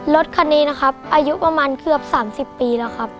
รถคันนี้นะครับอายุประมาณเกือบ๓๐ปีแล้วครับ